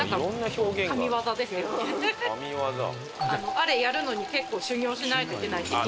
あれやるのに結構修業しないといけないって聞いた事が。